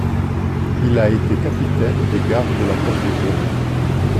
Il a été capitaine des gardes de la porte du roi.